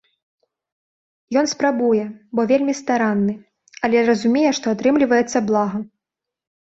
Ён спрабуе, бо вельмі старанны, але разумее, што атрымліваецца блага.